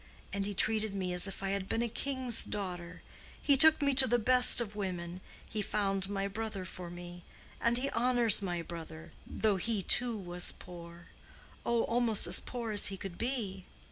And he treated me as if I had been a king's daughter. He took me to the best of women. He found my brother for me. And he honors my brother—though he too was poor—oh, almost as poor as he could be.